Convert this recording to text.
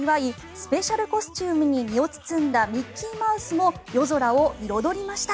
スペシャルコスチュームに身を包んだミッキーマウスも夜空を彩りました。